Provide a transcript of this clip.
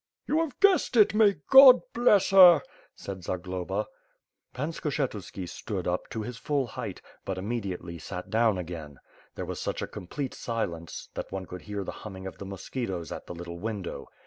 "You have guessed it, may God 'bless her!" said Zagloba. Pan Skshetuski stood up, to his full height, but imme diately sat down again. There was such a complete silence, that one could hear the humming of the mosquitoes at the little window.